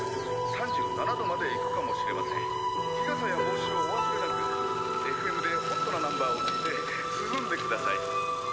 ３７度までいくかもしれません日傘や帽子をお忘れなくＦＭでホットなナンバーを聴いて涼んでください